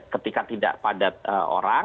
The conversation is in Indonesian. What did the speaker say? ketika tidak padat orang